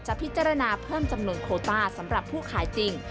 พิจารณาเพิ่มจำนวนโคต้าสำหรับผู้ขายจริง